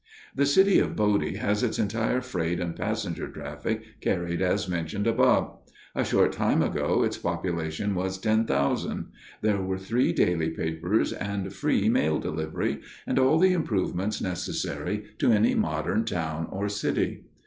The city of Bodie has its entire freight and passenger traffic carried as mentioned above. A short time ago its population was 10,000; there were three daily papers and free mail delivery, and all the improvements necessary to any modern town or city.